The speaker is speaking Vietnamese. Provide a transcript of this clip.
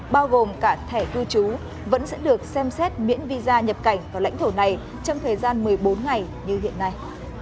bao gồm cả thẻ cư trú vẫn sẽ được xem xét miễn visa nhập cảnh vào lãnh thổ này trong thời gian một mươi bốn ngày như hiện nay